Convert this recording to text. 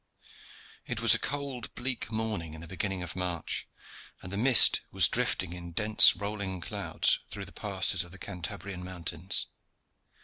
It was a cold, bleak morning in the beginning of March, and the mist was drifting in dense rolling clouds through the passes of the Cantabrian mountains.